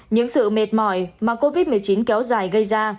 những sự mệt mỏi mà covid một mươi chín kéo dài gây ra